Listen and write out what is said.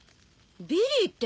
ビリーって？